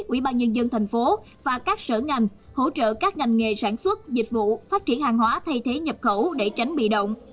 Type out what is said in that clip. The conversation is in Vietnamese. ubnd tp hcm và các sở ngành hỗ trợ các ngành nghề sản xuất dịch vụ phát triển hàng hóa thay thế nhập khẩu để tránh bị động